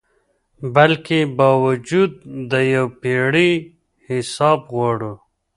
بلکي باوجود د یو پیړۍ حساب غواړو